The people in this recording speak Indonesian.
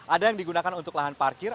ada yang digunakan untuk lahan parkir